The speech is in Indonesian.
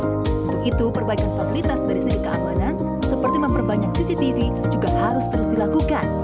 untuk itu perbaikan fasilitas dari segi keamanan seperti memperbanyak cctv juga harus terus dilakukan